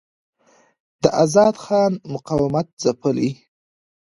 د آزاد خان مقاومت ځپلی.